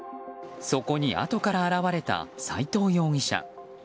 そこにあとから現れた斎藤容疑者。